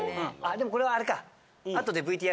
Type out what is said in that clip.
でもこれはあれか。